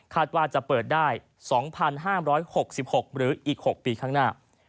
ว่าจะเปิดได้๒๕๖๖หรืออีก๖ปีข้างหน้า